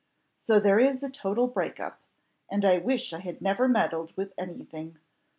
So there is a total break up and I wish I had never meddled with any thing.